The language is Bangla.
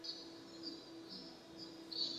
আগে গাড়ির নম্বর বল।